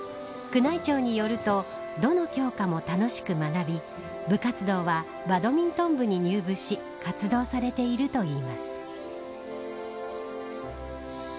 宮内庁によるとどの教科も楽しく学び部活動はバドミントン部に入部し全国高等学校総合文化祭。